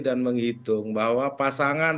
dan menghitung bahwa pasangan